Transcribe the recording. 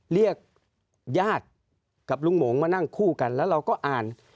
เรียกญาติกับลุงหมงมานั่งคู่กันแล้วเราก็อ่าน